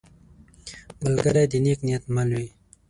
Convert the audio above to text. ملګری د نیک نیت مل وي